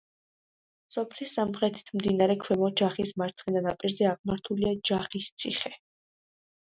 სოფლის სამხრეთით მდინარე ქვემო ჯახის მარცხენა ნაპირზე აღმართულია ჯახის ციხე.